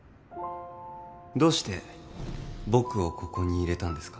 どうして僕をここに入れたんですか？